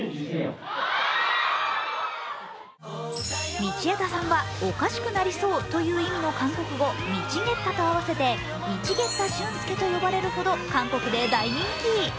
道枝さんは「おかしくなりそう」という意味の韓国語ミチゲッタと合わせてミチゲッタ・シュンスケと呼ばれるほど韓国で大人気。